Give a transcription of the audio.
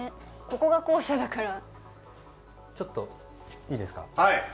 ここが校舎だからちょっといいですか。